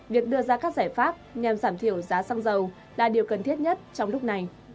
việc đưa ra các giải pháp nhằm giảm thiểu giá xăng dầu là điều cần thiết nhất trong lúc này